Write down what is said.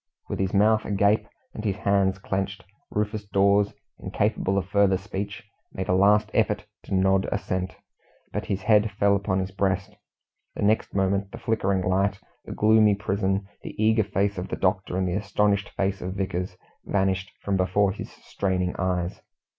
With his mouth agape and his hands clenched, Rufus Dawes, incapable of further speech, made a last effort to nod assent, but his head fell upon his breast; the next moment, the flickering light, the gloomy prison, the eager face of the doctor, and the astonished face of Vickers, vanished from before his straining eyes.